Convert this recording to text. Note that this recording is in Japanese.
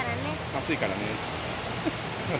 暑いからね！